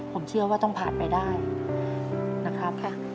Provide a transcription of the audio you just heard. ผมเชื่อว่าต้องผ่านไปได้นะครับ